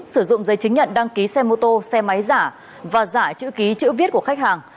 sử dụng giấy chứng nhận đăng ký xe mô tô xe máy giả và giả chữ ký chữ viết của khách hàng